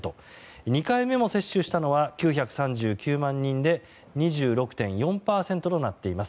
２回目も接種したのは９３９万人で２６．４％となっています。